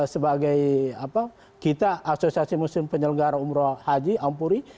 sebagai kita asosiasi musim penyelenggara umroh haji ampuri